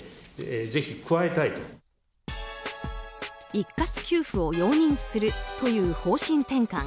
一括給付を容認するという方針転換。